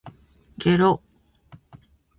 げろ